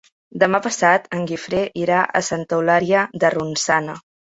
Demà passat en Guifré irà a Santa Eulàlia de Ronçana.